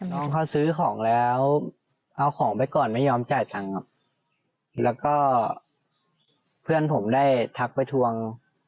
น้องเขาซื้อของแล้วเอาของไปก่อนไม่ยอมจ่ายตังค์ครับแล้วก็เพื่อนผมได้ทักไปทวง